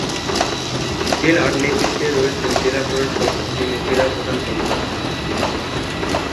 জেলার নেতৃত্বে রয়েছেন জেলা প্রশাসক, যিনি জেলার প্রধান কর্মকর্তা।